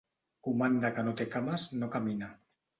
Comanda que no té cames no camina.